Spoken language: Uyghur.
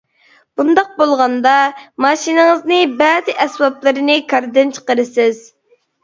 بۇنداق بولغاندا، ماشىنىڭىزنى بەزى ئەسۋابلىرىنى كاردىن چىقىرىسىز.